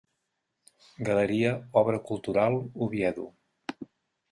Galeria Obra Cultural, Oviedo.